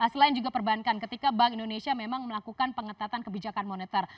selain juga perbankan ketika bank indonesia memang melakukan pengetatan kebijakan moneter